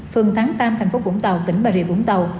phường thắng tam thành phố vũng tàu tỉnh bà rịa vũng tàu